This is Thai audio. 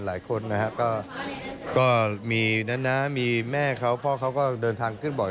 หลายคนนะฮะก็มีนะมีแม่เขาพ่อเขาก็เดินทางขึ้นบ่อย